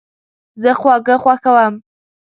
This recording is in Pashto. زه خواږه خوښوم